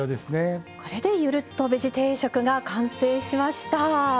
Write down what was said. これで「ゆるっとベジ定食」が完成しました。